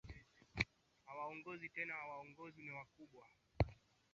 hawaongozi tena hawaongozwe na wakubwa